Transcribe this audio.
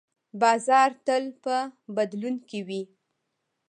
بازار تل په بدلون کې وي.